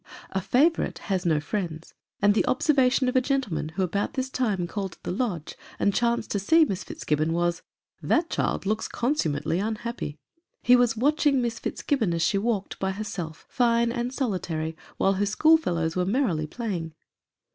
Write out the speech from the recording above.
A favorite has no friends ; and the observation of a gentle man, who about this time called at the Lodge and chanced to see Miss Fitzgibbon, was, " That child looks consummately unhappy:" he was watching Miss Fitzgibbon, as she walked, by herself, fine and solitary, while her schoolfellows were merrily playing.